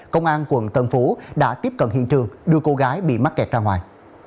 công an quận tân phú đã tiếp cận hiện trường đưa cô gái bị mắc kẹt ra ngoài